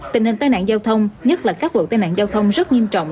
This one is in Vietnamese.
tình hình tai nạn giao thông nhất là các vụ tai nạn giao thông rất nghiêm trọng